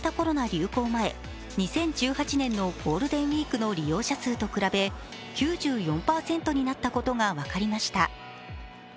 流行前、２０１８年のゴールデンウイークの利用者数と比べ、９４％になったことが分かりました。